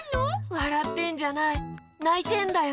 わらってんじゃないないてんだよ！